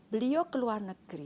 beliau keluar negeri